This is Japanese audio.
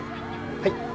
はい。